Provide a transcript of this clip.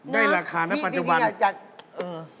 ได้ราคาณะปัจจุบันพี่อยากจะอื้อ